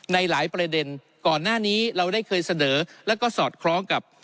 ในหลายประเด็นก่อนหน้านี้เราได้เคยเสนอแล้วก็สอดคล้องกับ